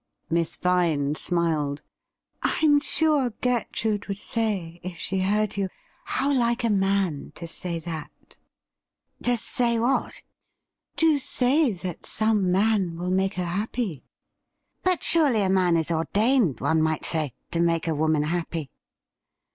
Miss Vine smiled. ' I'm sure Gertrude would say, if she heard yoMf " How like a man to say that !"' f To say what ?' CLELIA VINE 69 * To say that some man will make her happy.' ' But surely a man is ordained, one might say, to make a woman happy